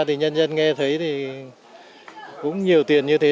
thì nhân dân nghe thấy thì cũng nhiều tiền như thế